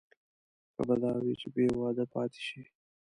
ښه به دا وي چې بې واده پاتې شي.